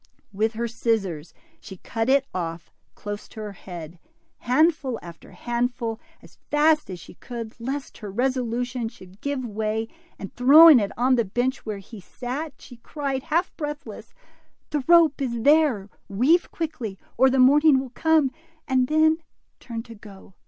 With her scissors she cut it olf close to her head, handful after handful, as fast as she could, lest her resolution should give way, and throwing it on the bench where he sat, she cried, half breathless, The rope is there ; weave quickly, or the morning will come," and then turned to go.